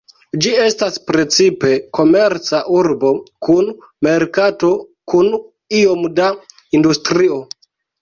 Ĝi estas precipe komerca urbo kun merkato kun iom da industrio.